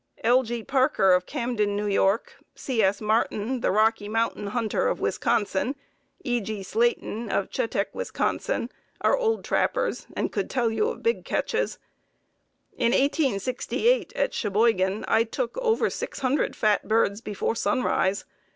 L. G. Parker of Camden, N. Y., C. S. Martin, the Rocky Mountain hunter of Wisconsin, E. G. Slayton of Chetek, Wis., are old trappers and could tell of big catches. In 1868, at Cheboygan, I took over six hundred fat birds before sunrise.